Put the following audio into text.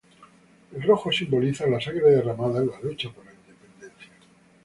El rojo simboliza la sangre derramada en la lucha por la independencia.